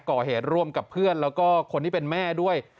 ก่อเหตุร่วมกับเพื่อนแล้วก็คนที่เป็นแม่ด้วย